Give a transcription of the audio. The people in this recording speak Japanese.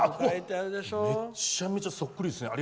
めちゃくちゃそっくりですね。